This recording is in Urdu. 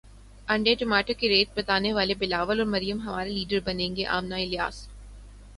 انڈے ٹماٹر کے ریٹ بتانے والے بلاول اور مریم ہمارے لیڈر بنیں گے امنہ الیاس